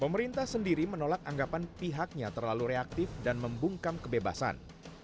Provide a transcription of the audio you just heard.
pemerintah sendiri menolak anggapan pihaknya terlalu reaktif dan membungkam kebebasan